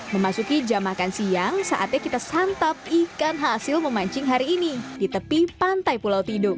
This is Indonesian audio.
memasuki jam makan siang saatnya kita santap ikan hasil memancing hari ini di tepi pantai pulau tidung